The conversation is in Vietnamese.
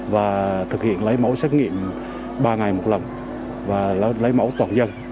và thực hiện lấy mẫu xét nghiệm ba ngày một lần và lấy mẫu toàn dân